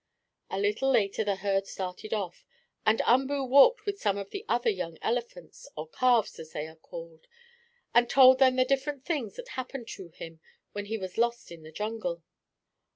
A little later the herd started off, and Umboo walked with some of the other young elephants, or calves, as they are called. He told them the different things that happened to him when he was lost in the jungle.